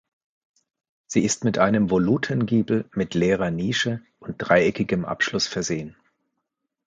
Sie ist mit einem Volutengiebel mit leerer Nische und dreieckigem Abschluss versehen.